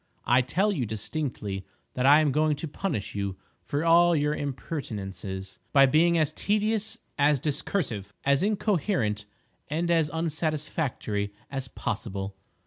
I tell you distinctly that I am going to punish you for all your impertinences by being as tedious, as discursive, as incoherent and as unsatisfactory as possible.